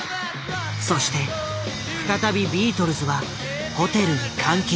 そして再びビートルズはホテルに監禁。